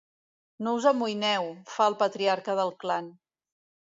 No us amoïneu —fa el patriarca del clan—.